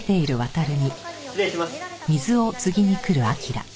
失礼します。